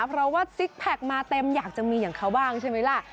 เพราะว่าซิกแพคมาเต็มอยากจะมีอย่างเขาบ้างใช่ไหมล่ะ